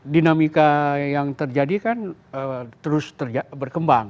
dinamika yang terjadi kan terus berkembang